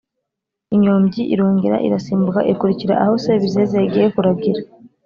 Inyombyi irongera irasimbuka ikurikira aho Sebizeze yagiye kuragira